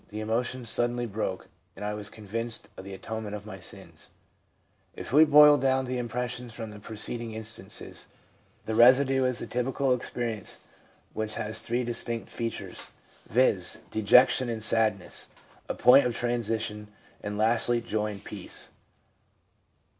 'The emotion suddenly broke, and I was con vinced of the atonement of my sins/ If we boil down the impressions from the preceding instances, the residue is the typical experience, which has three distinct features, viz., dejection and sadness, a point of transition, and, lastly, joy and peace.